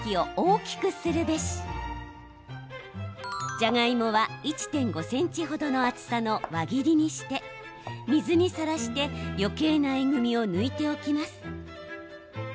じゃがいもは１．５ｃｍ程の厚さの輪切りにして水にさらしてよけいなえぐみを抜いておきます。